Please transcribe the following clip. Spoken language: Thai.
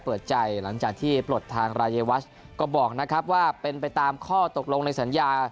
เปิดใจหลังจากที่ปลดทางรายวัชก็บอกนะครับว่าเป็นไปตามข้อตกลงในสัญญา